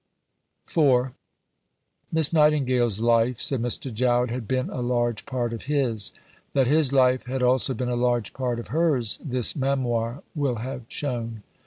IV Miss Nightingale's life, said Mr. Jowett, had been a large part of his. That his life had also been a large part of hers, this Memoir will have shown.